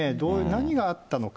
何があったのか。